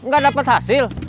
gak dapat hasil